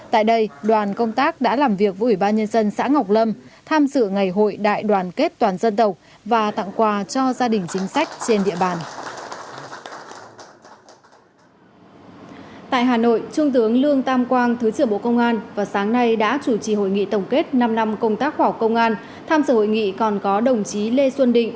tại đây đoàn công tác đã làm việc với ủy ban nhân dân xã ngọc lâm tham dự ngày hội đại đoàn kết toàn dân tộc và tặng quà cho gia đình chính sách trên địa bàn